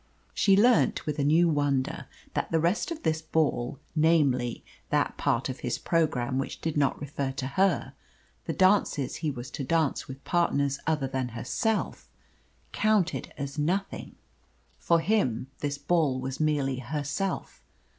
She learnt with a new wonder that the rest of this ball namely, that part of his programme which did not refer to her, the dances he was to dance with partners other than herself counted as nothing. For him this ball was merely herself.